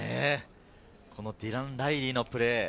ディラン・ライリーのプレー。